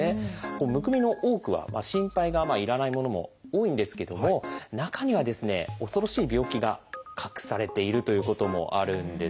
むくみの多くは心配が要らないものも多いんですけども中には恐ろしい病気が隠されているということもあるんです。